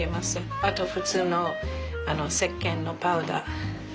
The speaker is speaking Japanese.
あと普通のせっけんのパウダー。